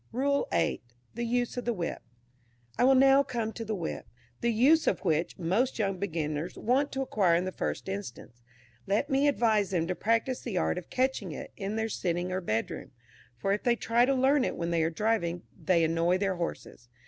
RULE VIII. THE USE OF THE WHIP. I will now come to the whip, the use of which, most young beginners want to acquire in the first instance. Let me advise them to practice the art of "catching it" in their sitting or bed room, for if they try to learn it when they are driving, they annoy their horses.